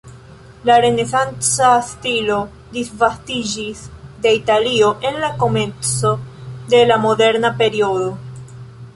La renesanca stilo disvastiĝis de Italio en la komenco de la moderna periodo.